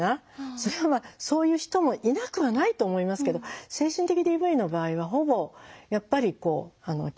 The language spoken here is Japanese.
それはそういう人もいなくはないと思いますけど精神的ＤＶの場合はほぼやっぱり極めて紳士的な態度です。